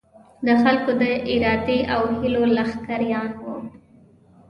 د خلکو د ارادې او هیلو لښکریان وو.